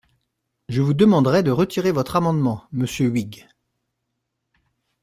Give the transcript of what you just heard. Je vous demanderai de retirer votre amendement, monsieur Huyghe.